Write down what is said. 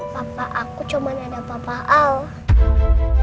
papa aku cuma nada papa al